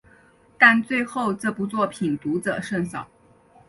但最后这部作品读者甚少。